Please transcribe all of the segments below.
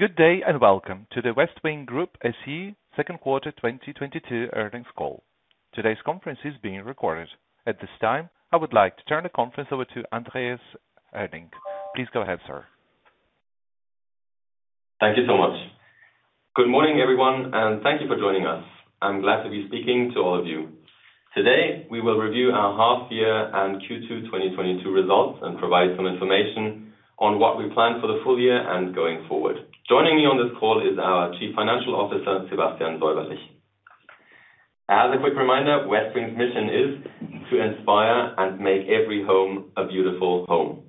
Good day and welcome to the Westwing Group SE second quarter 2022 earnings call. Today's conference is being recorded. At this time, I would like to turn the conference over to Andreas Hoerning. Please go ahead, sir. Thank you so much. Good morning, everyone, and thank you for joining us. I'm glad to be speaking to all of you. Today, we will review our half year and Q2 2022 results and provide some information on what we plan for the full year and going forward. Joining me on this call is our Chief Financial Officer, Sebastian Säuberlich. As a quick reminder, Westwing's mission is to inspire and make every home a beautiful home.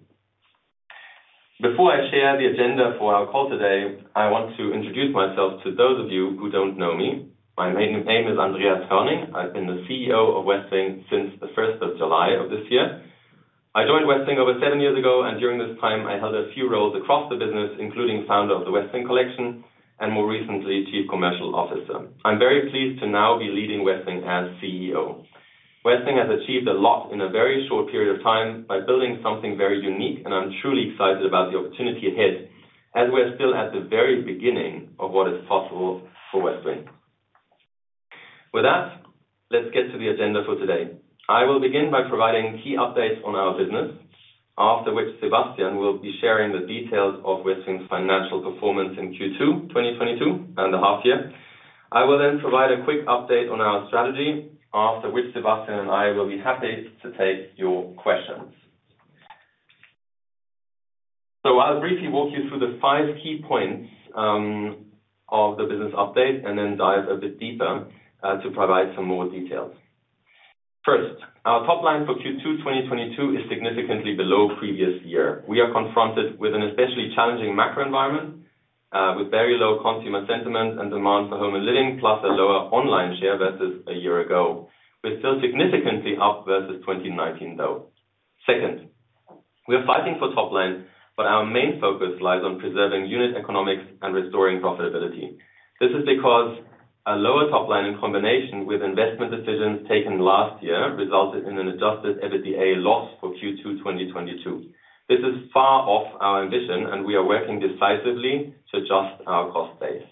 Before I share the agenda for our call today, I want to introduce myself to those of you who don't know me. My name is Andreas Hoerning. I've been the CEO of Westwing since the first of July of this year. I joined Westwing over seven years ago, and during this time, I held a few roles across the business, including founder of the Westwing Collection and more recently, Chief Commercial Officer. I'm very pleased to now be leading Westwing as CEO. Westwing has achieved a lot in a very short period of time by building something very unique, and I'm truly excited about the opportunity ahead as we are still at the very beginning of what is possible for Westwing. With that, let's get to the agenda for today. I will begin by providing key updates on our business, after which Sebastian will be sharing the details of Westwing's financial performance in Q2 2022 and the half year. I will then provide a quick update on our strategy, after which Sebastian and I will be happy to take your questions. I'll briefly walk you through the five key points of the business update and then dive a bit deeper to provide some more details. First, our top line for Q2 2022 is significantly below previous year. We are confronted with an especially challenging macro environment, with very low consumer sentiment and demand for home and living, plus a lower online share versus a year ago. We're still significantly up versus 2019, though. Second, we are fighting for top line, but our main focus lies on preserving unit economics and restoring profitability. This is because a lower top line in combination with investment decisions taken last year resulted in an Adjusted EBITDA loss for Q2 2022. This is far off our ambition, and we are working decisively to adjust our cost base.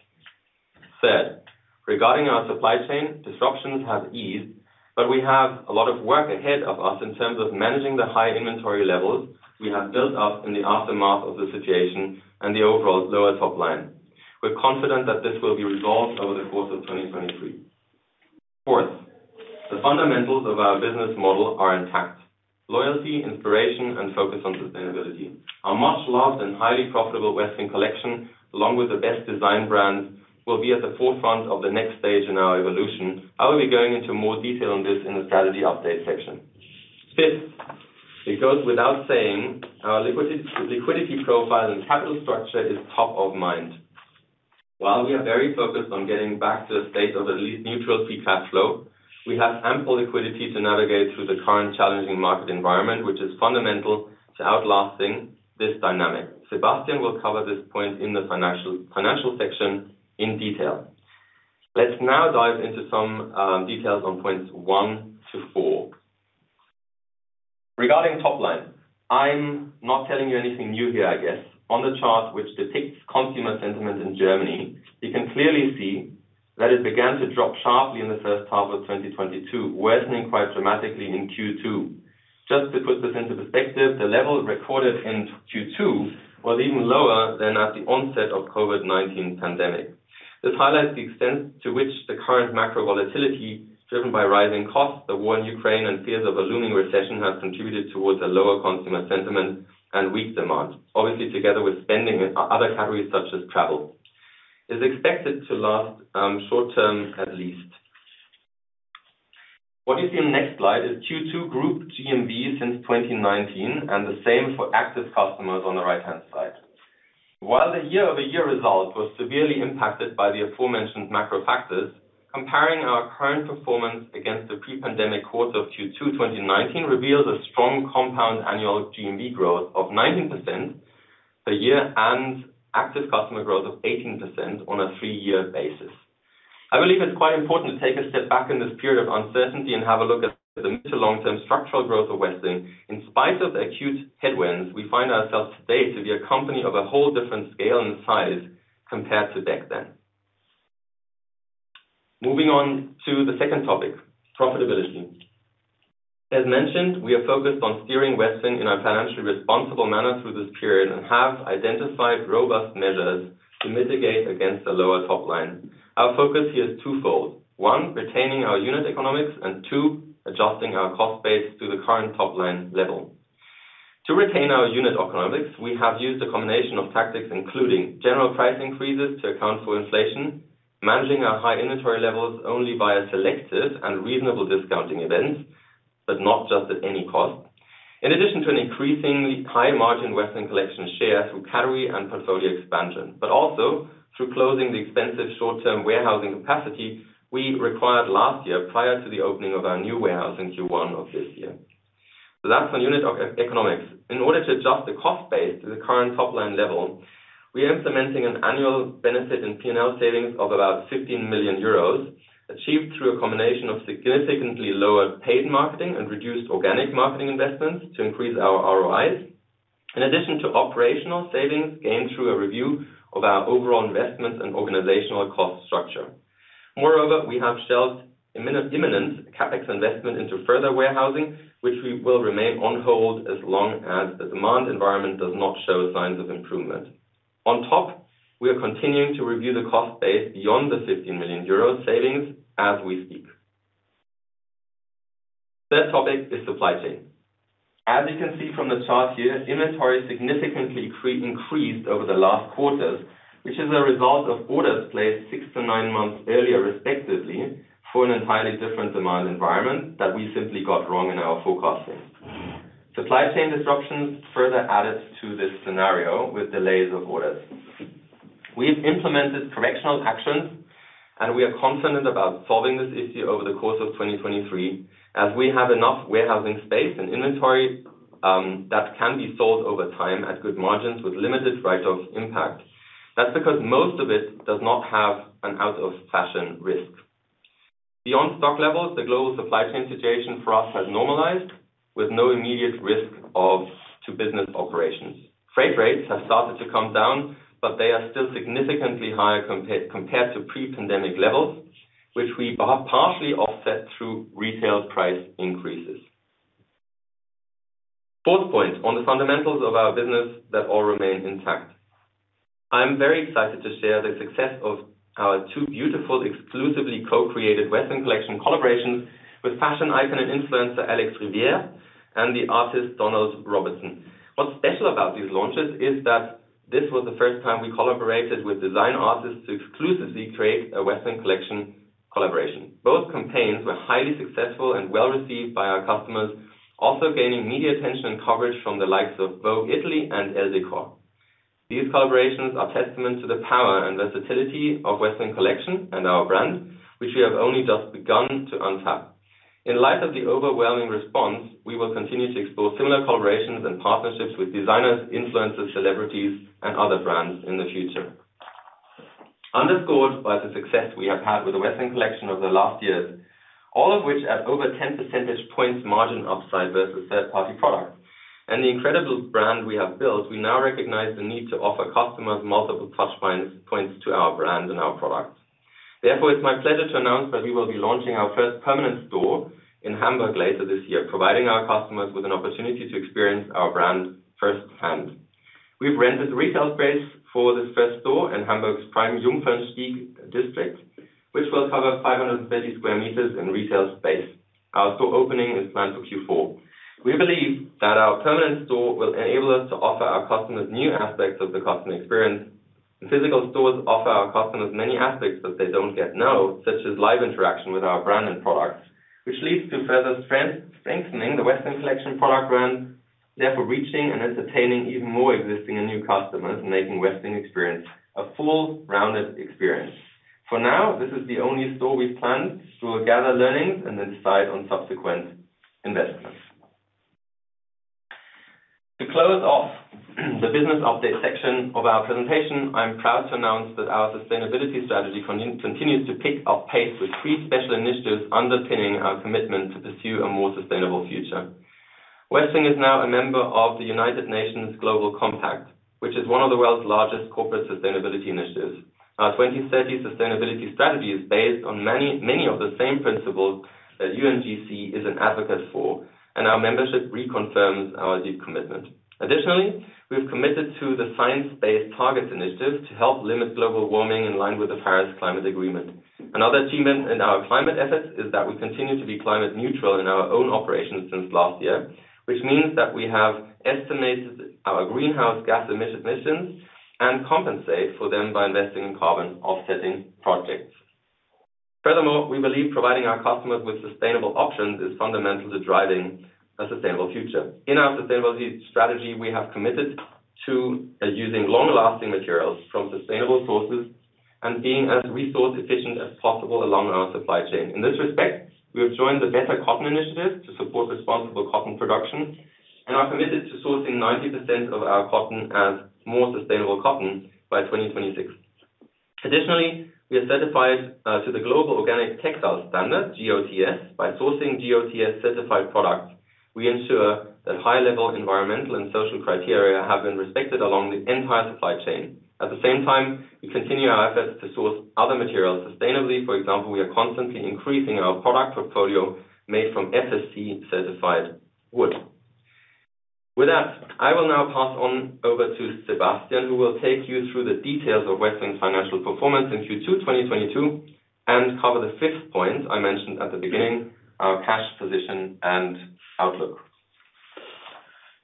Third, regarding our supply chain, disruptions have eased, but we have a lot of work ahead of us in terms of managing the high inventory levels we have built up in the aftermath of the situation and the overall lower top line. We're confident that this will be resolved over the course of 2023. Fourth, the fundamentals of our business model are intact. Loyalty, inspiration, and focus on sustainability. Our much-loved and highly profitable Westwing Collection, along with the best design brands, will be at the forefront of the next stage in our evolution. I will be going into more detail on this in the strategy update section. Fifth, it goes without saying, our liquidity profile and capital structure is top of mind. While we are very focused on getting back to a state of at least neutral free cash flow, we have ample liquidity to navigate through the current challenging market environment, which is fundamental to outlasting this dynamic. Sebastian will cover this point in the financial section in detail. Let's now dive into some details on points 1 to 4. Regarding top line, I'm not telling you anything new here, I guess. On the chart which depicts consumer sentiment in Germany, you can clearly see that it began to drop sharply in the first half of 2022, worsening quite dramatically in Q2. Just to put this into perspective, the level recorded in Q2 was even lower than at the onset of COVID-19 pandemic. This highlights the extent to which the current macro volatility driven by rising costs, the war in Ukraine, and fears of a looming recession, has contributed towards a lower consumer sentiment and weak demand. Obviously, together with spending with other categories such as travel. It's expected to last, short term at least. What you see in the next slide is Q2 group GMV since 2019 and the same for active customers on the right-hand side. While the year-over-year result was severely impacted by the aforementioned macro factors, comparing our current performance against the pre-pandemic quarter of Q2 2019 reveals a strong compound annual GMV growth of 19% per year and active customer growth of 18% on a 3-year basis. I believe it's quite important to take a step back in this period of uncertainty and have a look at the mid- to long-term structural growth of Westwing. In spite of the acute headwinds, we find ourselves today to be a company of a whole different scale and size compared to back then. Moving on to the second topic, profitability. As mentioned, we are focused on steering Westwing in a financially responsible manner through this period and have identified robust measures to mitigate against a lower top line. Our focus here is twofold. One, retaining our unit economics, and two, adjusting our cost base to the current top line level. To retain our unit economics, we have used a combination of tactics, including general price increases to account for inflation, managing our high inventory levels only via selective and reasonable discounting events, but not just at any cost. In addition to an increasingly high margin Westwing Collection share through category and portfolio expansion, but also through closing the expensive short-term warehousing capacity we required last year prior to the opening of our new warehouse in Q1 of this year. Last on unit economics. In order to adjust the cost base to the current top line level, we are implementing an annual benefit in P&L savings of about 15 million euros. Achieved through a combination of significantly lower paid marketing and reduced organic marketing investments to increase our ROI. In addition to operational savings gained through a review of our overall investments and organizational cost structure. Moreover, we have shelved imminent CapEx investment into further warehousing, which we will remain on hold as long as the demand environment does not show signs of improvement. On top, we are continuing to review the cost base beyond the 15 million euro savings as we speak. Third topic is supply chain. As you can see from the chart here, inventory significantly increased over the last quarters, which is a result of orders placed 6-9 months earlier, respectively, for an entirely different demand environment that we simply got wrong in our forecasting. Supply chain disruptions further added to this scenario with delays of orders. We've implemented corrective actions, and we are confident about solving this issue over the course of 2023, as we have enough warehousing space and inventory that can be sold over time at good margins with limited write-off impact. That's because most of it does not have an out of fashion risk. Beyond stock levels, the global supply chain situation for us has normalized with no immediate risk to business operations. Freight rates have started to come down, but they are still significantly higher compared to pre-pandemic levels, which we partially offset through retail price increases. Fourth point on the fundamentals of our business that all remain intact. I'm very excited to share the success of our two beautiful, exclusively co-created Westwing Collection collaborations with fashion icon and influencer Alex Rivière and the artist Donald Robertson. What's special about these launches is that this was the first time we collaborated with design artists to exclusively create a Westwing Collection collaboration. Both campaigns were highly successful and well received by our customers, also gaining media attention and coverage from the likes of Vogue Italia and Elle Decor. These collaborations are testament to the power and versatility of Westwing Collection and our brand, which we have only just begun to untapped. In light of the overwhelming response, we will continue to explore similar collaborations and partnerships with designers, influencers, celebrities and other brands in the future. Underscored by the success we have had with the Westwing Collection over the last years, all of which at over 10 percentage points margin upside versus third-party products and the incredible brand we have built, we now recognize the need to offer customers multiple touch points to our brand and our product. Therefore, it's my pleasure to announce that we will be launching our first permanent store in Hamburg later this year, providing our customers with an opportunity to experience our brand firsthand. We've rented retail space for this first store in Hamburg's prime Jungfernstieg district, which will cover 530 square meters in retail space. Our store opening is planned for Q4. We believe that our permanent store will enable us to offer our customers new aspects of the customer experience. Physical stores offer our customers many aspects that they don't get now, such as live interaction with our brand and products, which leads to further strengthening the Westwing Collection product brand, therefore reaching and entertaining even more existing and new customers and making Westwing experience a fully rounded experience. For now, this is the only store we've planned. We'll gather learnings and then decide on subsequent investments. To close off the business update section of our presentation, I'm proud to announce that our sustainability strategy continues to pick up pace with three special initiatives underpinning our commitment to pursue a more sustainable future. Westwing is now a member of the United Nations Global Compact, which is one of the world's largest corporate sustainability initiatives. Our 2030 sustainability strategy is based on many, many of the same principles that UNGC is an advocate for, and our membership reconfirms our deep commitment. Additionally, we have committed to the Science-Based Targets initiative to help limit global warming in line with the Paris Climate Agreement. Another achievement in our climate efforts is that we continue to be climate neutral in our own operations since last year, which means that we have estimated our greenhouse gas emissions and compensate for them by investing in carbon offsetting projects. Furthermore, we believe providing our customers with sustainable options is fundamental to driving a sustainable future. In our sustainability strategy, we have committed to using long-lasting materials from sustainable sources and being as resource efficient as possible along our supply chain. In this respect, we have joined the Better Cotton Initiative to support responsible cotton production and are committed to sourcing 90% of our cotton as more sustainable cotton by 2026. We are certified to the Global Organic Textile Standard, GOTS. By sourcing GOTS-certified products, we ensure that high-level environmental and social criteria have been respected along the entire supply chain. At the same time, we continue our efforts to source other materials sustainably. For example, we are constantly increasing our product portfolio made from FSC-certified wood. With that, I will now pass on over to Sebastian, who will take you through the details of Westwing's financial performance in Q2 2022 and cover the fifth point I mentioned at the beginning, our cash position and outlook.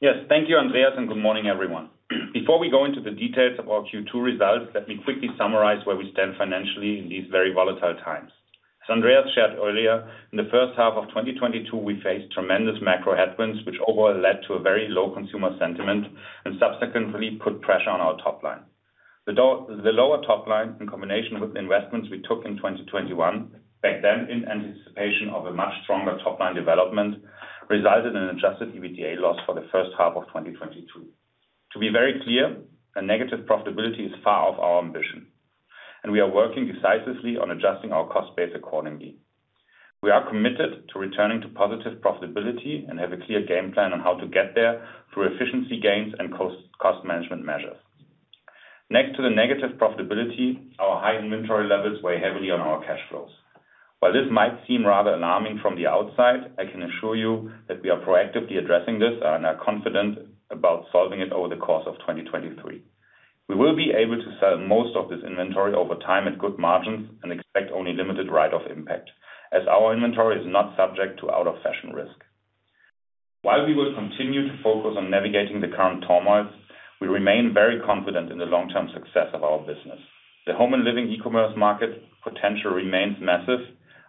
Yes. Thank you, Andreas, and good morning, everyone. Before we go into the details of our Q2 results, let me quickly summarize where we stand financially in these very volatile times. As Andreas shared earlier, in the first half of 2022, we faced tremendous macro headwinds, which overall led to a very low consumer sentiment and subsequently put pressure on our top line. The lower top line, in combination with investments we took in 2021, back then in anticipation of a much stronger top line development, resulted in an Adjusted EBITDA loss for the first half of 2022. To be very clear, a negative profitability is far off our ambition, and we are working decisively on adjusting our cost base accordingly. We are committed to returning to positive profitability and have a clear game plan on how to get there through efficiency gains and cost management measures. Next to the negative profitability, our high inventory levels weigh heavily on our cash flows. While this might seem rather alarming from the outside, I can assure you that we are proactively addressing this and are confident about solving it over the course of 2023. We will be able to sell most of this inventory over time at good margins and expect only limited write-off impact, as our inventory is not subject to out-of-fashion risk. While we will continue to focus on navigating the current turmoil, we remain very confident in the long-term success of our business. The home and living e-commerce market potential remains massive.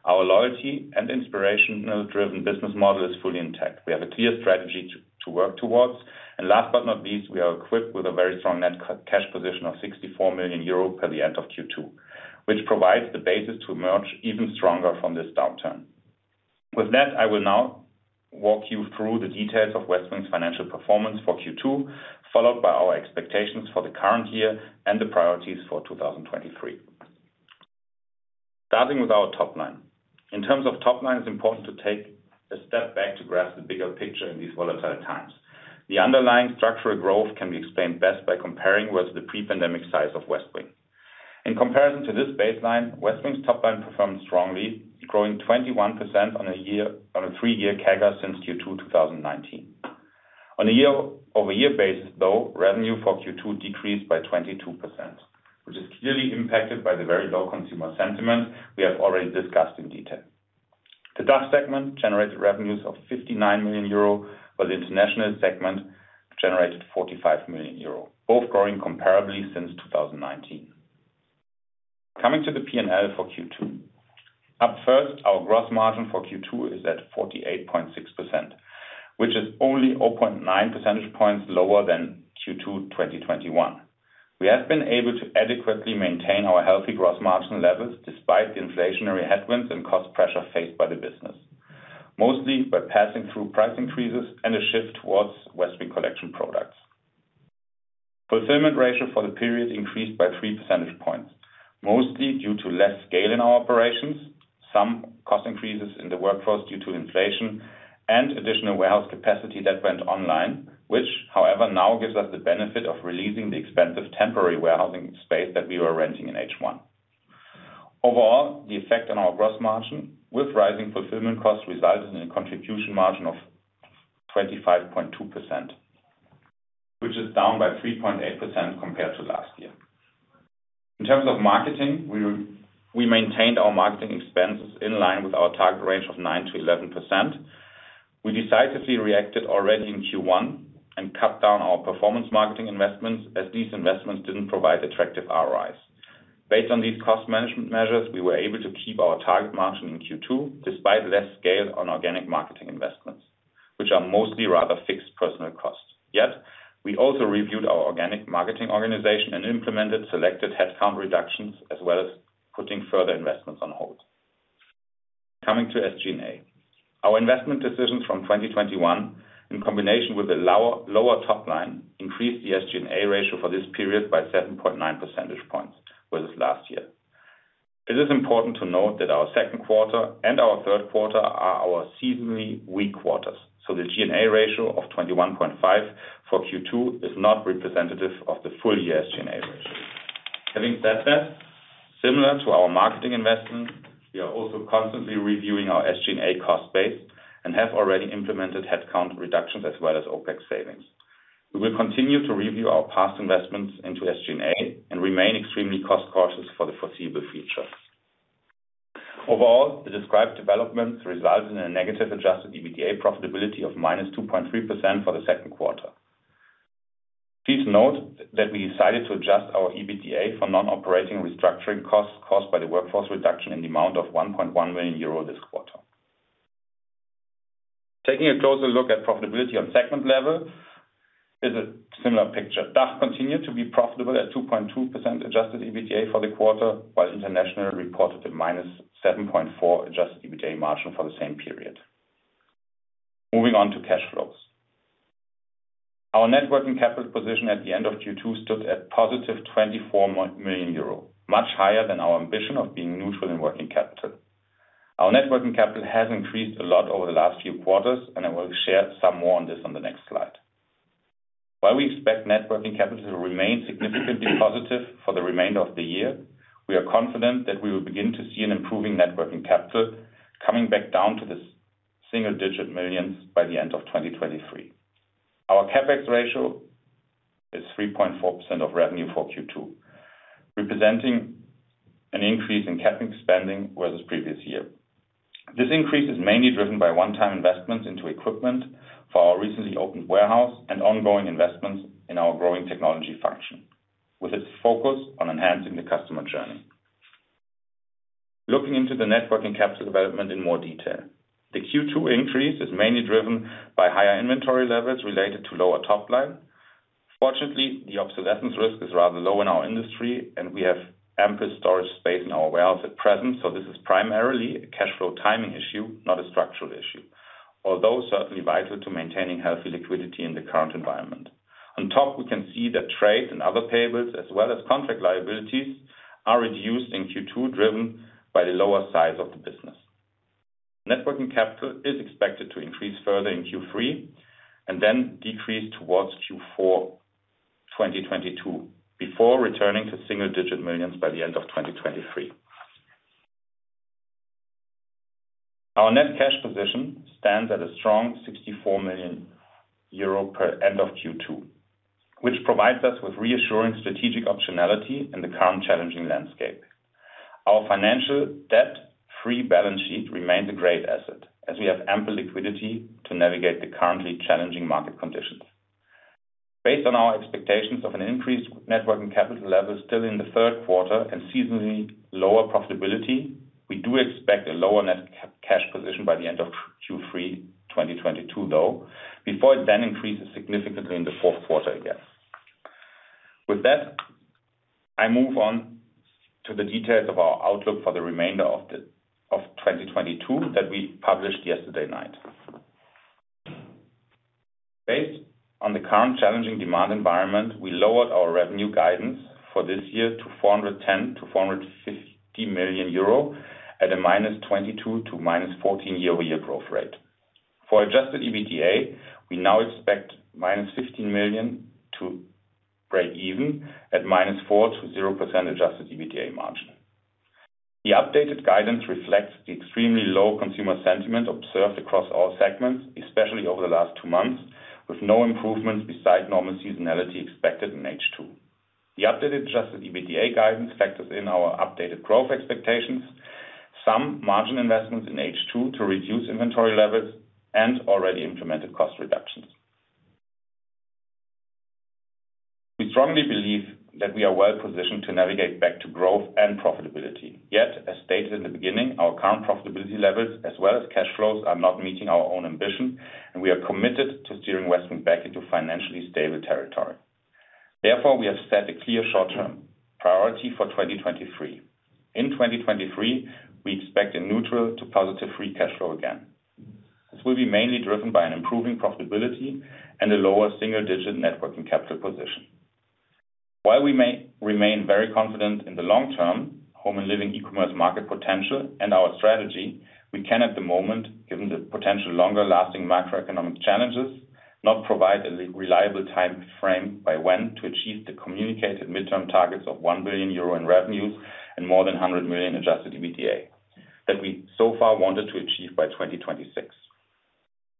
Our loyalty and inspiration, you know, driven business model is fully intact. We have a clear strategy to work towards. Last but not least, we are equipped with a very strong net cash position of 64 million euro as of the end of Q2, which provides the basis to emerge even stronger from this downturn. With that, I will now walk you through the details of Westwing's financial performance for Q2, followed by our expectations for the current year and the priorities for 2023. Starting with our top line. In terms of top line, it's important to take a step back to grasp the bigger picture in these volatile times. The underlying structural growth can be explained best by comparing with the pre-pandemic size of Westwing. In comparison to this baseline, Westwing's top line performed strongly, growing 21% on a three-year CAGR since Q2 2019. On a year-over-year basis, revenue for Q2 decreased by 22%, which is clearly impacted by the very low consumer sentiment we have already discussed in detail. The DACH segment generated revenues of 59 million euro, while the international segment generated 45 million euro, both growing comparably since 2019. Coming to the P&L for Q2. Our gross margin for Q2 is at 48.6%, which is only 0.9 percentage points lower than Q2 2021. We have been able to adequately maintain our healthy gross margin levels despite the inflationary headwinds and cost pressure faced by the business, mostly by passing through price increases and a shift towards Westwing Collection products. Fulfillment ratio for the period increased by 3 percentage points, mostly due to less scale in our operations, some cost increases in the workforce due to inflation and additional warehouse capacity that went online, which however now gives us the benefit of releasing the expensive temporary warehousing space that we were renting in H1. Overall, the effect on our gross margin with rising fulfillment costs resulted in a contribution margin of 25.2%, which is down by 3.8% compared to last year. In terms of marketing, we maintained our marketing expenses in line with our target range of 9%-11%. We decisively reacted already in Q1 and cut down our performance marketing investments as these investments didn't provide attractive ROI. Based on these cost management measures, we were able to keep our target margin in Q2 despite less scale on organic marketing investments, which are mostly rather fixed personnel costs. Yet, we also reviewed our organic marketing organization and implemented selected headcount reductions as well as putting further investments on hold. Coming to SG&A. Our investment decisions from 2021, in combination with the lower top line, increased the SG&A ratio for this period by 7.9 percentage points versus last year. It is important to note that our second quarter and our third quarter are our seasonally weak quarters, so the G&A ratio of 21.5 for Q2 is not representative of the full year G&A ratio. Having said that, similar to our marketing investment, we are also constantly reviewing our SG&A cost base and have already implemented headcount reductions as well as OpEx savings. We will continue to review our past investments into SG&A and remain extremely cost cautious for the foreseeable future. Overall, the described developments resulted in a negative adjusted EBITDA profitability of -2.3% for the second quarter. Please note that we decided to adjust our EBITDA for non-operating restructuring costs caused by the workforce reduction in the amount of 1.1 million euro this quarter. Taking a closer look at profitability on segment level is a similar picture. DACH continued to be profitable at 2.2% adjusted EBITDA for the quarter, while international reported a -7.4% adjusted EBITDA margin for the same period. Moving on to cash flows. Our net working capital position at the end of Q2 stood at positive 24 million euro, much higher than our ambition of being neutral in working capital. Our net working capital has increased a lot over the last few quarters, and I will share some more on this on the next slide. While we expect net working capital to remain significantly positive for the remainder of the year, we are confident that we will begin to see an improving net working capital coming back down to EUR single-digit millions by the end of 2023. Our CapEx ratio is 3.4% of revenue for Q2, representing an increase in CapEx spending versus previous year. This increase is mainly driven by one-time investments into equipment for our recently opened warehouse and ongoing investments in our growing technology function, with its focus on enhancing the customer journey. Looking into the net working capital development in more detail. The Q2 increase is mainly driven by higher inventory levels related to lower top line. Fortunately, the obsolescence risk is rather low in our industry, and we have ample storage space in our warehouse at present, so this is primarily a cash flow timing issue, not a structural issue. Although certainly vital to maintaining healthy liquidity in the current environment. On top, we can see that trade and other payables, as well as contract liabilities, are reduced in Q2, driven by the lower size of the business. Net working capital is expected to increase further in Q3 and then decrease towards Q4 2022, before returning to single-digit millions by the end of 2023. Our net cash position stands at a strong 64 million euro per end of Q2, which provides us with reassuring strategic optionality in the current challenging landscape. Our financial debt-free balance sheet remains a great asset as we have ample liquidity to navigate the currently challenging market conditions. Based on our expectations of an increased net working capital level still in the third quarter and seasonally lower profitability, we do expect a lower net cash position by the end of Q3 2022, though, before it then increases significantly in the fourth quarter again. With that, I move on to the details of our outlook for the remainder of 2022 that we published yesterday night. Based on the current challenging demand environment, we lowered our revenue guidance for this year to 410 million-450 million euro at a -22% - -14% year-over-year growth rate. For adjusted EBITDA, we now expect -15 million to break even at -4% - 0% adjusted EBITDA margin. The updated guidance reflects the extremely low consumer sentiment observed across all segments, especially over the last two months, with no improvements besides normal seasonality expected in H2. The updated Adjusted EBITDA guidance factors in our updated growth expectations, some margin investments in H2 to reduce inventory levels and already implemented cost reductions. We strongly believe that we are well-positioned to navigate back to growth and profitability. Yet, as stated in the beginning, our current profitability levels as well as cash flows are not meeting our own ambition, and we are committed to steering Westwing back into financially stable territory. Therefore, we have set a clear short-term priority for 2023. In 2023, we expect a neutral to positive free cash flow again. This will be mainly driven by an improving profitability and a lower single-digit net working capital position. While we may remain very confident in the long-term home and living e-commerce market potential and our strategy, we can at the moment, given the potential longer-lasting macroeconomic challenges, not provide a reliable timeframe by when to achieve the communicated midterm targets of 1 billion euro in revenues and more than 100 million Adjusted EBITDA that we so far wanted to achieve by 2026.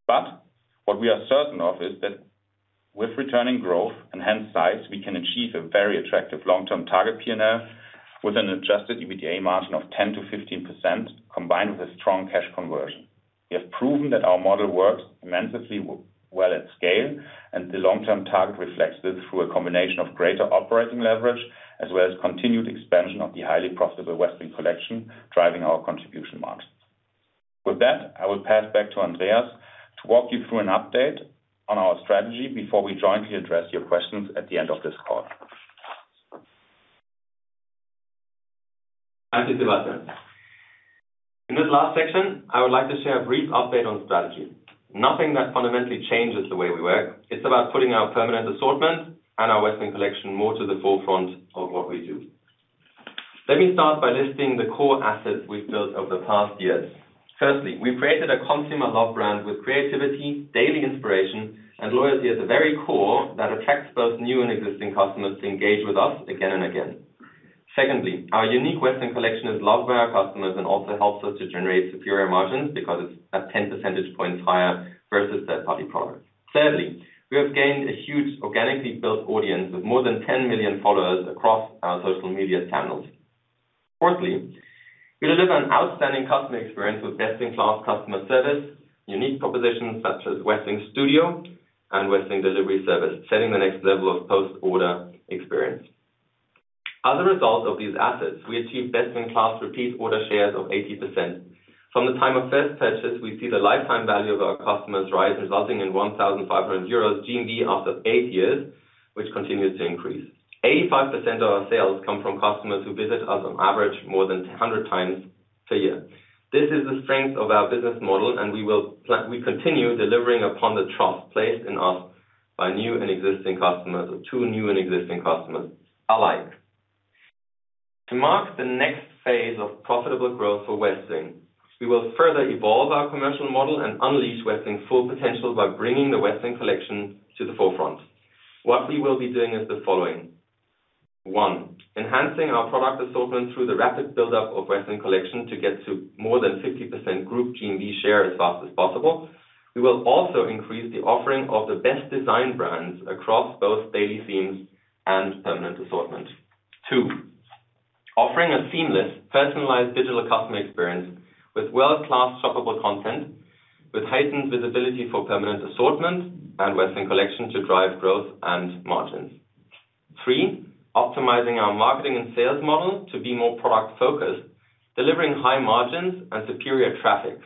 What we are certain of is that with returning growth and hence size, we can achieve a very attractive long-term target P&L with an Adjusted EBITDA margin of 10%-15% combined with a strong cash conversion. We have proven that our model works immensely well at scale, and the long-term target reflects this through a combination of greater operating leverage as well as continued expansion of the highly profitable Westwing Collection, driving our contribution margins. With that, I will pass back to Andreas to walk you through an update on our strategy before we jointly address your questions at the end of this call. Thank you, Sebastian. In this last section, I would like to share a brief update on strategy. Nothing that fundamentally changes the way we work. It's about putting our permanent assortment and our Westwing Collection more to the forefront of what we do. Let me start by listing the core assets we've built over the past years. Firstly, we've created a consumer love brand with creativity, daily inspiration and loyalty at the very core that attracts both new and existing customers to engage with us again and again. Secondly, our unique Westwing Collection is loved by our customers and also helps us to generate superior margins because it's at 10 percentage points higher versus third-party products. Thirdly, we have gained a huge organically built audience with more than 10 million followers across our social media channels. Fourthly, we deliver an outstanding customer experience with best-in-class customer service, unique propositions such as Westwing Studio and Westwing Delivery Service, setting the next level of post-order experience. As a result of these assets, we achieve best-in-class repeat order shares of 80%. From the time of first purchase, we see the lifetime value of our customers rise, resulting in 1,500 euros GMV after 8 years, which continues to increase. 85% of our sales come from customers who visit us on average more than 100 times per year. This is the strength of our business model, and we continue delivering upon the trust placed in us by new and existing customers or to new and existing customers alike. To mark the next phase of profitable growth for Westwing, we will further evolve our commercial model and unleash Westwing's full potential by bringing the Westwing Collection to the forefront. What we will be doing is the following. One, enhancing our product assortment through the rapid buildup of Westwing Collection to get to more than 50% group GMV share as fast as possible. We will also increase the offering of the best design brands across both daily themes and permanent assortment. Two, offering a seamless, personalized digital customer experience with world-class shoppable content, with heightened visibility for permanent assortment and Westwing Collection to drive growth and margins. Three, optimizing our marketing and sales model to be more product-focused, delivering high margins and superior traffic.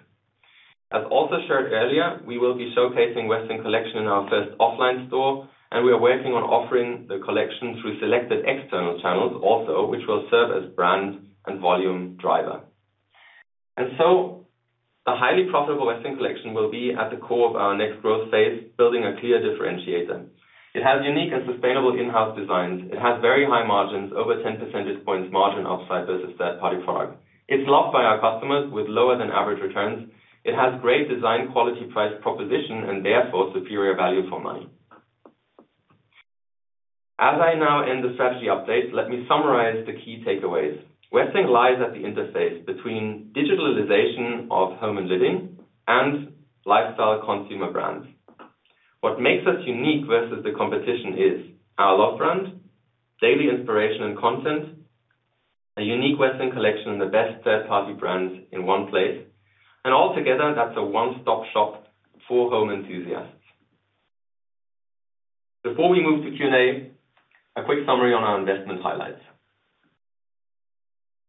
As also shared earlier, we will be showcasing Westwing Collection in our first offline store, and we are working on offering the collection through selected external channels also which will serve as brand and volume driver. A highly profitable Westwing Collection will be at the core of our next growth phase, building a clear differentiator. It has unique and sustainable in-house designs. It has very high margins, over 10 percentage points margin upside versus third-party product. It's loved by our customers with lower than average returns. It has great design, quality, price, proposition and therefore superior value for money. As I now end the strategy update, let me summarize the key takeaways. Westwing lies at the interface between digitalization of home and living and lifestyle consumer brands. What makes us unique versus the competition is our love brand, daily inspiration and content, a unique Westwing Collection, and the best third party brands in one place. All together, that's a one stop shop for home enthusiasts. Before we move to Q&A, a quick summary on our investment highlights.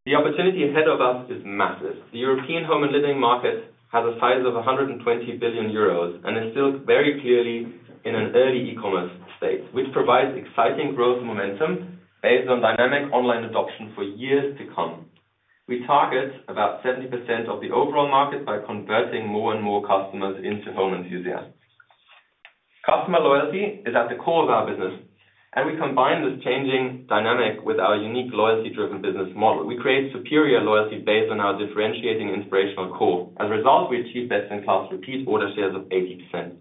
The opportunity ahead of us is massive. The European home and living market has a size of 120 billion euros and is still very clearly in an early e-commerce state, which provides exciting growth momentum based on dynamic online adoption for years to come. We target about 70% of the overall market by converting more and more customers into home enthusiasts. Customer loyalty is at the core of our business, and we combine this changing dynamic with our unique loyalty driven business model. We create superior loyalty based on our differentiating inspirational core. As a result, we achieve best in class repeat order shares of 80%.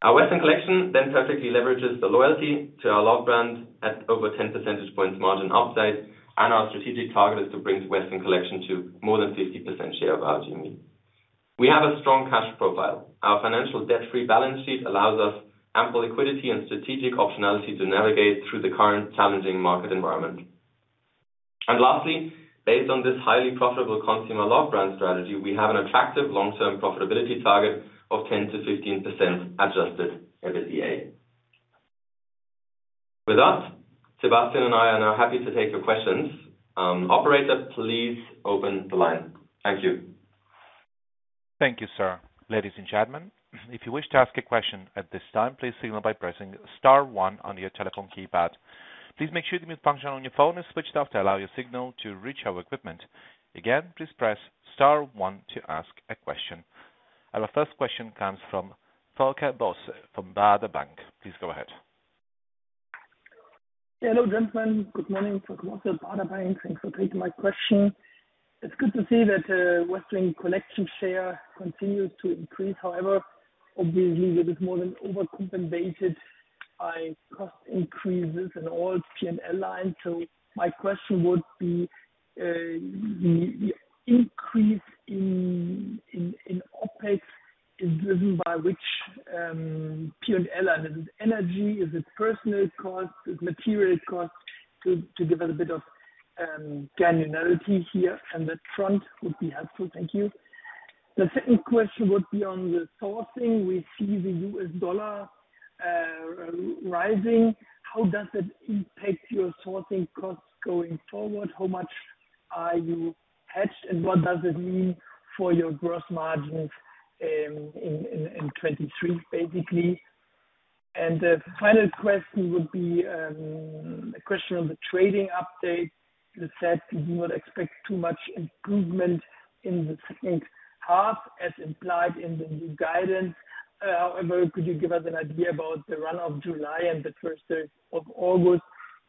Our Westwing Collection then perfectly leverages the loyalty to our love brand at over 10 percentage points margin upside. Our strategic target is to bring Westwing Collection to more than 50% share of our GMV. We have a strong cash profile. Our financial debt free balance sheet allows us ample liquidity and strategic optionality to navigate through the current challenging market environment. Lastly, based on this highly profitable consumer love brand strategy, we have an attractive long term profitability target of 10%-15% Adjusted EBITDA. With that, Sebastian and I are now happy to take your questions. Operator, please open the line. Thank you. Thank you, sir. Ladies and gentlemen, if you wish to ask a question at this time, please signal by pressing star one on your telephone keypad. Please make sure the mute function on your phone is switched off to allow your signal to reach our equipment. Again, please press star one to ask a question. Our first question comes from Volker Bosse from Baader Bank. Please go ahead. Hello, gentlemen. Good morning. Volker Bosse from Baader Bank. Thanks for taking my question. It's good to see that Westwing Collection share continues to increase. However, obviously it is more than overcompensated by cost increases in all P&L lines. My question would be the increase in OpEx is driven by which P&L line? Is it energy? Is it personnel cost? Is it material cost? To give it a bit of granularity here up front would be helpful. Thank you. The second question would be on the sourcing. We see the U.S. dollar rising. How does that impact your sourcing costs going forward? How much are you hedged and what does it mean for your gross margins in 2023, basically? The final question would be a question on the trading update. You said you would expect too much improvement in the second half as implied in the new guidance. However, could you give us an idea about the run of July and the first days of August?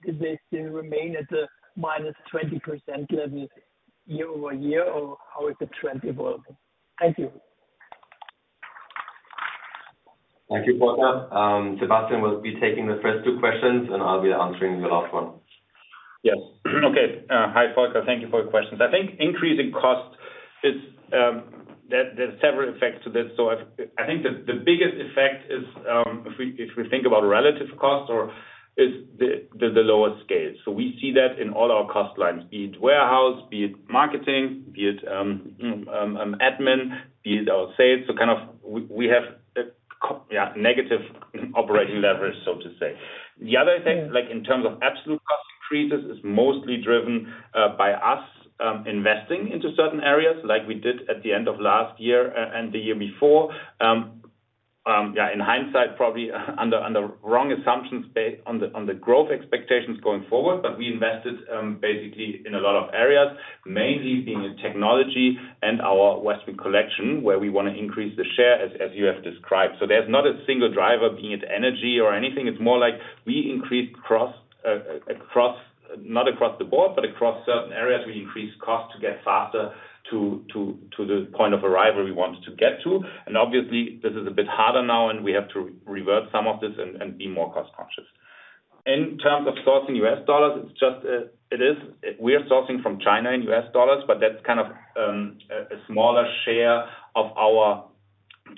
Did they still remain at the -20% level year-over-year, or how is the trend evolving? Thank you. Thank you, Volker. Sebastian will be taking the first two questions and I'll be answering the last one. Yes. Okay. Hi Volker. Thank you for your questions. I think increasing costs is. There's several effects to this. I think the biggest effect is if we think about relative costs or is the lower scale. We see that in all our cost lines, be it warehouse, be it marketing, be it admin, be it our sales. We have negative operating leverage so to say. The other thing like in terms of absolute cost increases is mostly driven by us investing into certain areas like we did at the end of last year and the year before. In hindsight, probably under wrong assumptions based on the growth expectations going forward. We invested basically in a lot of areas, mainly being in technology and our Westwing Collection, where we want to increase the share as you have described. There's not a single driver being it's energy or anything. It's more like we increased costs not across the board, but across certain areas we increase cost to get faster to the point of arrival we want to get to. Obviously this is a bit harder now and we have to revert some of this and be more cost conscious. In terms of sourcing U.S. dollars, it's just it is. We are sourcing from China in US dollars, but that's kind of a smaller share of our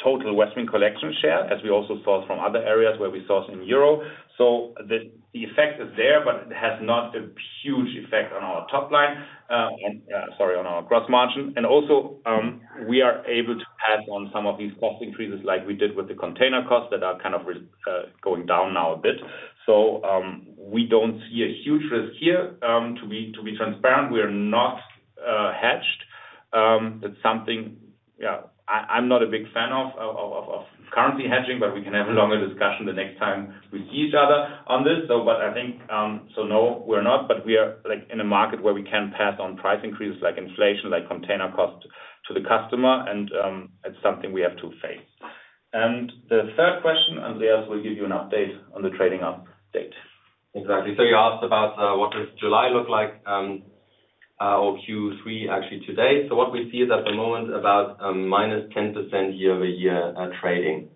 total Westwing Collection share as we also source from other areas where we source in euro. The effect is there, but it has not a huge effect on our gross margin. We are able to pass on some of these cost increases like we did with the container costs that are kind of going down now a bit. We don't see a huge risk here. To be transparent, we are not hedged. That's something, yeah. I'm not a big fan of currency hedging, but we can have a longer discussion the next time we see each other on this. I think no, we're not, but we are like in a market where we can pass on price increases like inflation, like container cost to the customer, and it's something we have to face. The third question, Andreas will give you an update on the trading update. Exactly. You asked about what does July look like or Q3 actually today. What we see is at the moment about -10% year-over-year trading.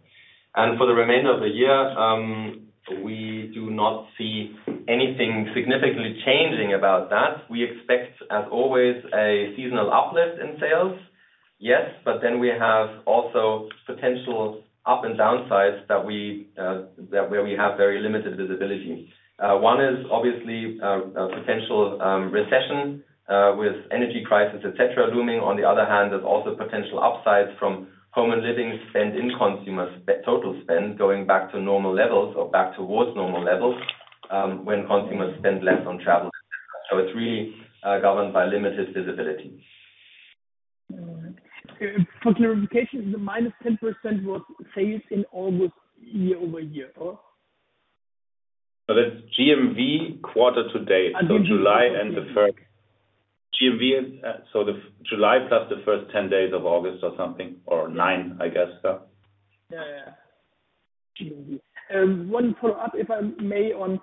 For the remainder of the year, we do not see anything significantly changing about that. We expect, as always, a seasonal uplift in sales, yes, but then we have also potential up and downsides that where we have very limited visibility. One is obviously a potential recession with energy crisis, et cetera, looming. On the other hand, there's also potential upsides from home and living spend in consumer total spend going back to normal levels or back towards normal levels, when consumers spend less on travel. It's really governed by limited visibility. All right. For clarification, the -10% was sales in August year-over-year, or? No, that's GMV quarter to date. I see. GMV is, so the July plus the first 10 days of August or something, or 9, I guess, yeah. Yeah. One follow-up, if I may, on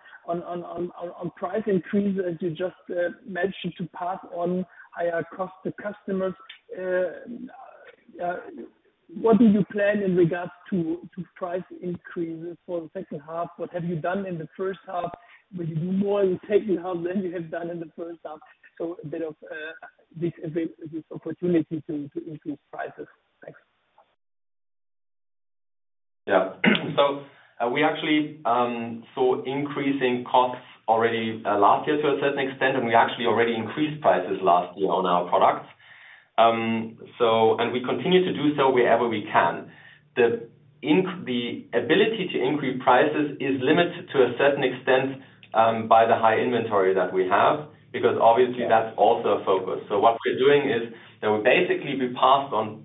price increase that you just mentioned to pass on higher cost to customers. What do you plan in regards to price increases for the second half? What have you done in the first half? Will you do more in the second half than you have done in the first half? A bit of this opportunity to increase prices. Thanks. Yeah. We actually saw increasing costs already last year to a certain extent, and we actually already increased prices last year on our products. We continue to do so wherever we can. The ability to increase prices is limited to a certain extent by the high inventory that we have, because obviously that's also a focus. What we're doing is that basically we passed on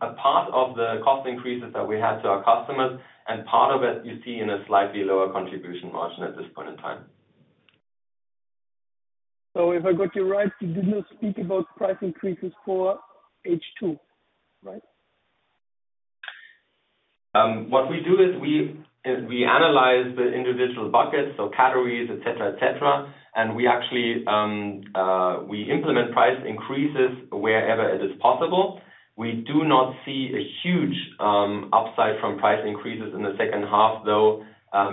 a part of the cost increases that we had to our customers, and part of it you see in a slightly lower contribution margin at this point in time. If I got you right, you did not speak about price increases for H2, right? What we do is we analyze the individual buckets, so categories, et cetera, and we actually implement price increases wherever it is possible. We do not see a huge upside from price increases in the second half, though,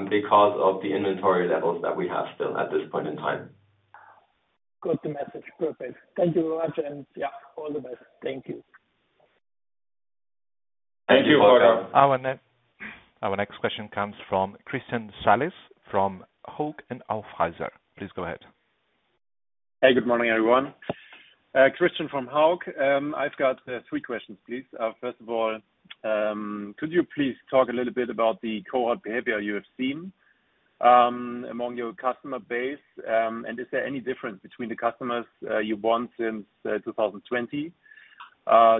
because of the inventory levels that we have still at this point in time. Got the message. Perfect. Thank you very much. Yeah, all the best. Thank you. Thank you. Our next question comes from Christian Salis, from Hauck & Aufhäuser. Please go ahead. Hey, good morning, everyone. Christian Salis from Hauck & Aufhäuser. I've got three questions, please. First of all, could you please talk a little bit about the cohort behavior you have seen among your customer base? Is there any difference between the customers you won since 2020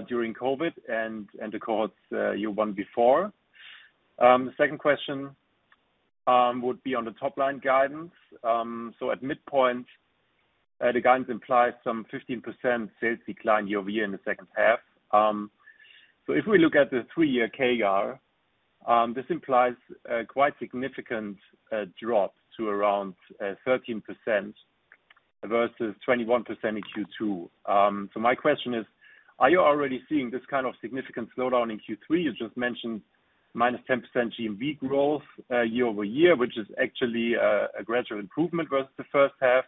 during COVID and the cohorts you won before? The second question would be on the top-line guidance. At midpoint, the guidance implies some 15% sales decline year-over-year in the second half. If we look at the three-year CAGR, this implies a quite significant drop to around 13% versus 21% in Q2. My question is, are you already seeing this kind of significant slowdown in Q3? You just mentioned -10% GMV growth year-over-year, which is actually a gradual improvement versus the first half.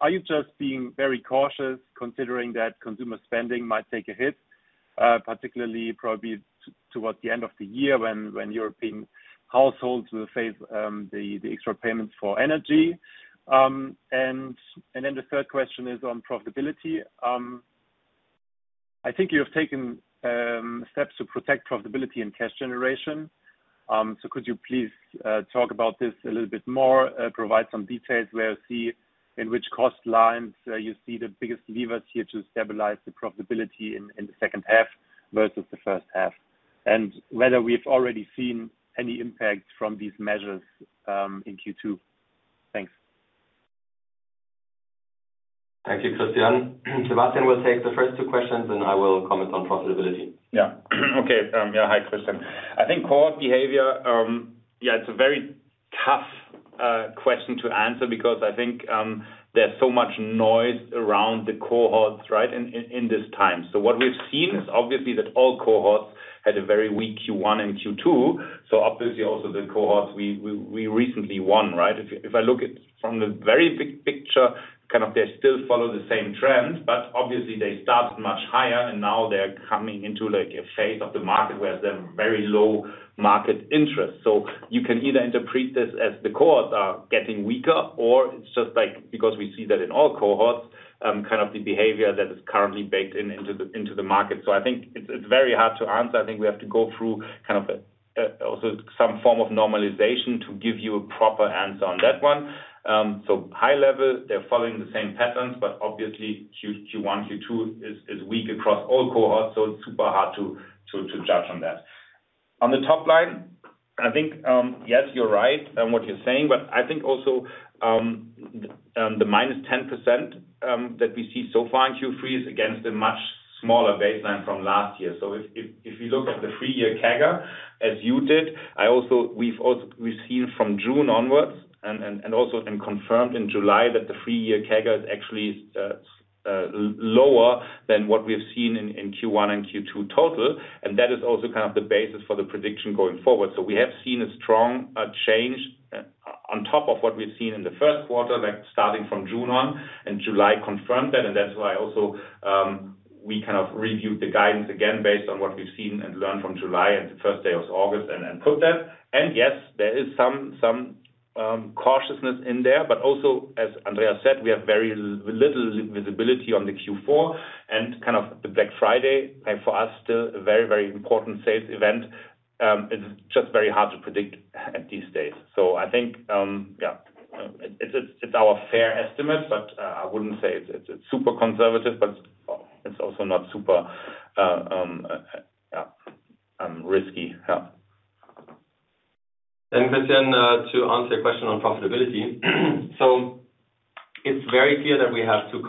Are you just being very cautious considering that consumer spending might take a hit, particularly probably toward the end of the year when European households will face the extra payments for energy? The third question is on profitability. I think you have taken steps to protect profitability and cash generation. Could you please talk about this a little bit more, provide some details where we'll see in which cost lines you see the biggest levers here to stabilize the profitability in the second half versus the first half, and whether we've already seen any impact from these measures in Q2? Thanks. Thank you, Christian. Sebastian will take the first two questions, and I will comment on profitability. Hi, Christian. I think cohort behavior, it's a very tough question to answer because I think, there's so much noise around the cohorts, right, in this time. What we've seen is obviously that all cohorts had a very weak Q1 and Q2, so obviously also the cohorts we recently won, right? If I look at from the very big picture, kind of they still follow the same trends, but obviously they started much higher, and now they're coming into like a phase of the market where there's very low market interest. You can either interpret this as the cohorts are getting weaker or it's just like, because we see that in all cohorts, kind of the behavior that is currently baked into the market. I think it's very hard to answer. I think we have to go through kind of also some form of normalization to give you a proper answer on that one. High level, they're following the same patterns, but obviously Q1, Q2 is weak across all cohorts, so it's super hard to judge on that. On the top line, I think yes, you're right on what you're saying, but I think also the minus 10%, that we see so far in Q3 is against a much smaller baseline from last year. If you look at the three-year CAGR, as you did, we've also received from June onwards and confirmed in July that the three-year CAGR is actually lower than what we have seen in Q1 and Q2 total. That is also kind of the basis for the prediction going forward. We have seen a strong change on top of what we've seen in the first quarter, like starting from June on, and July confirmed that. That's why also we kind of reviewed the guidance again based on what we've seen and learned from July and the first day of August and put that. Yes, there is some cautiousness in there, but also, as Andreas said, we have very little visibility on the Q4 and kind of the Black Friday, and for us, still a very important sales event. It's just very hard to predict at this stage. I think, yeah, it's our fair estimate, but I wouldn't say it's super conservative, but it's also not super risky. Yeah. Christian, to answer your question on profitability, it's very clear that we have too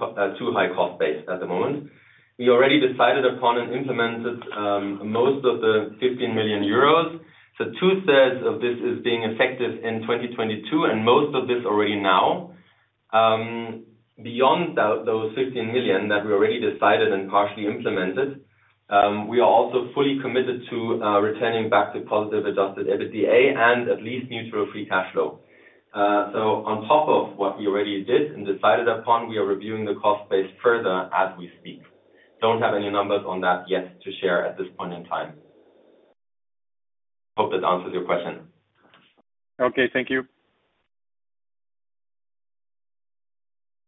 high cost base at the moment. We already decided upon and implemented most of the 15 million euros. Two-thirds of this is being effective in 2022, and most of this already now. Beyond those 15 million that we already decided and partially implemented, we are also fully committed to returning back to positive Adjusted EBITDA and at least neutral free cash flow. On top of what we already did and decided upon, we are reviewing the cost base further as we speak. Don't have any numbers on that yet to share at this point in time. Hope that answers your question. Okay, thank you.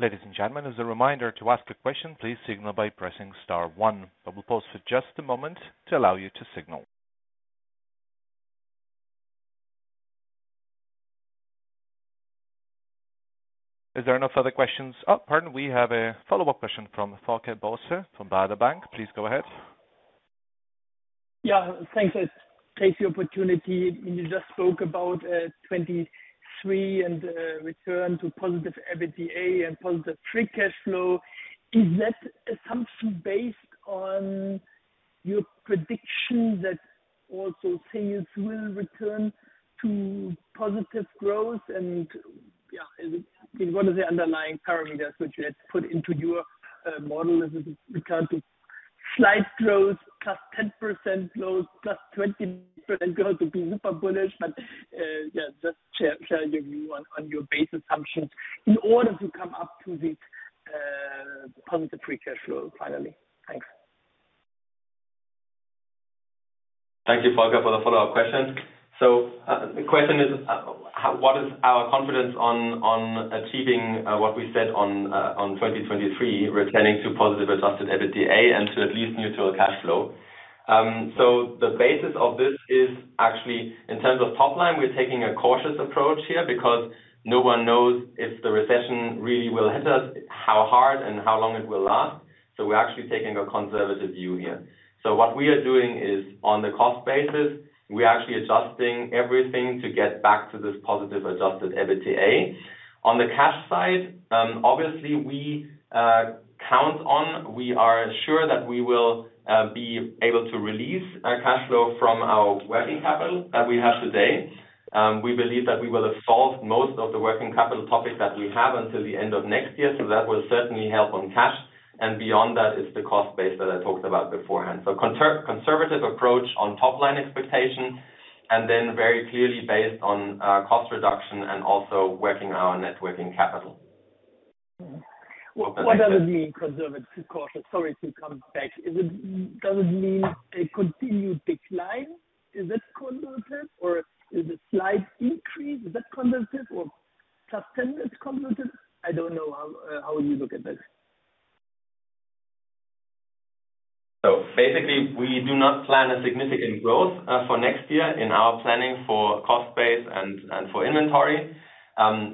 Ladies and gentlemen, as a reminder to ask a question, please signal by pressing star one. I will pause for just a moment to allow you to signal. Are there any other questions? Oh, pardon. We have a follow-up question from Volker Bosse from Baader Bank. Please go ahead. Yeah. Thanks. I take the opportunity. You just spoke about 2023 and return to positive EBITDA and positive free cash flow. Is that assumption based on your prediction that also sales will return to positive growth? Yeah, what are the underlying parameters which you had put into your model? Is it return to slight growth, +10% growth, +20% growth to be super bullish? Yeah, just share your view on your base assumptions in order to come up to the positive free cash flow finally. Thanks. Thank you, Volker, for the follow-up question. The question is, what is our confidence on achieving what we said on 2023, returning to positive Adjusted EBITDA and to at least neutral cash flow? The basis of this is actually in terms of top line, we're taking a cautious approach here because no one knows if the recession really will hit us, how hard and how long it will last. We're actually taking a conservative view here. What we are doing is on the cost basis, we are actually adjusting everything to get back to this positive Adjusted EBITDA. On the cash side, obviously, we count on, we are sure that we will be able to release cash flow from our working capital that we have today. We believe that we will have solved most of the working capital topics that we have until the end of next year. That will certainly help on cash. Beyond that, it's the cost base that I talked about beforehand. Conservative approach on top line expectations, and then very clearly based on cost reduction and also working on our net working capital. What does it mean, conservative, cautious? Sorry to come back. Does it mean a continued decline? Is it conservative or is it slight increase? Is that conservative or +10% is conservative? I don't know how you look at this. Basically, we do not plan a significant growth for next year in our planning for cost base and for inventory.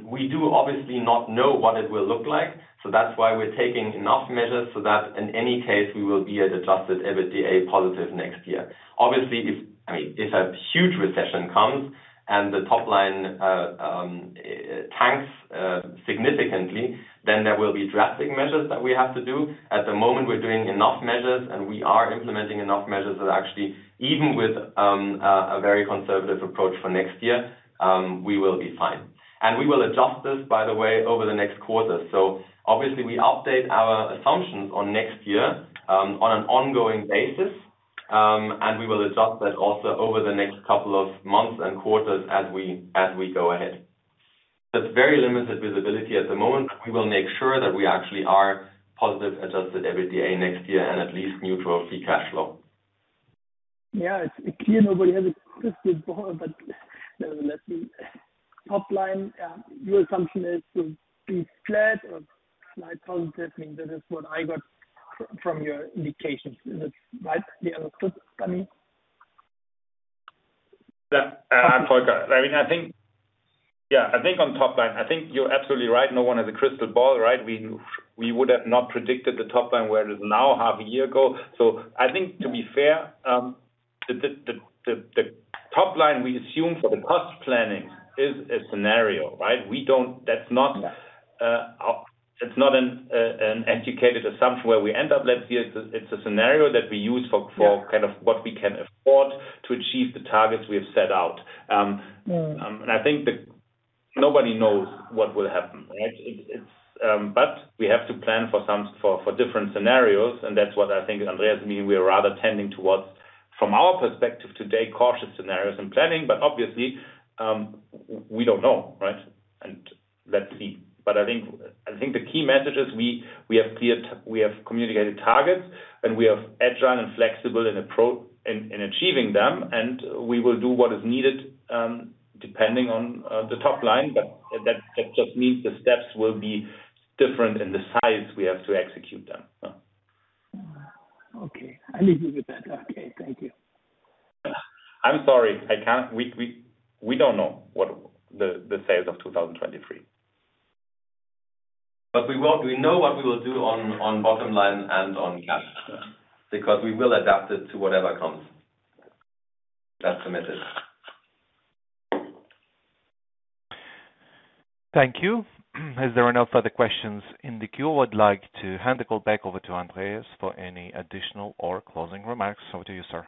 We do obviously not know what it will look like, so that's why we're taking enough measures so that in any case, we will be at Adjusted EBITDA positive next year. Obviously, I mean, if a huge recession comes and the top line tanks significantly, then there will be drastic measures that we have to do. At the moment, we're doing enough measures, and we are implementing enough measures that actually, even with a very conservative approach for next year, we will be fine. We will adjust this, by the way, over the next quarter. Obviously, we update our assumptions on next year on an ongoing basis, and we will adjust that also over the next couple of months and quarters as we go ahead. There's very limited visibility at the moment. We will make sure that we actually are positive Adjusted EBITDA next year and at least neutral free cash flow. Yeah, it's clear nobody has a crystal ball, but nevertheless, the top line, your assumption is to be flat or slightly positive. I mean, that is what I got from your indications. Is it right? Do you have a quick comment? Yeah. Volker, I mean, I think. Yeah, I think on top line, I think you're absolutely right. No one has a crystal ball, right? We would have not predicted the top line where it is now half a year ago. I think to be fair, the top line we assume for the cost planning is a scenario, right? That's not an educated assumption where we end up. Let's say it's a scenario that we use for kind of what we can afford to achieve the targets we have set out. I think that nobody knows what will happen, right? It's. We have to plan for different scenarios, and that's what I think Andreas mean. We are rather tending towards, from our perspective today, cautious scenarios and planning. Obviously, we don't know, right? Let's see. I think the key message is we have cleared, we have communicated targets, and we are agile and flexible in achieving them, and we will do what is needed, depending on the top line. That just means the steps will be different in the size we have to execute them. Okay. I leave it with that. Okay, thank you. We don't know what the sales of 2023. We know what we will do on bottom line and on cash because we will adapt it to whatever comes. That's committed. Thank you. As there are no further questions in the queue, I would like to hand the call back over to Andreas for any additional or closing remarks. Over to you, sir.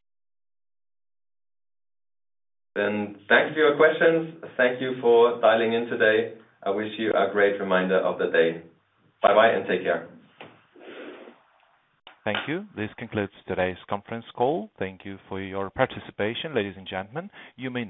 Thank you for your questions. Thank you for dialing in today. I wish you a great remainder of the day. Bye-bye, and take care. Thank you. This concludes today's conference call. Thank you for your participation, ladies and gentlemen. You may now disconnect.